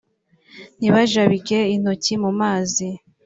ntibajabike intoki mu mazi